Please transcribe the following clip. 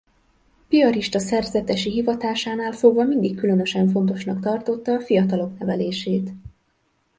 Piarista szerzetesi hivatásánál fogva mindig különösen fontosnak tartotta a fiatalok nevelését.